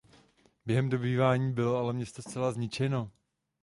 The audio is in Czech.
Během dobývání bylo ale město zcela zničeno.